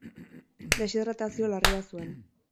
Deshidratazio larria zuen.